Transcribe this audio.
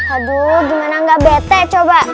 aduh gimana gak betek coba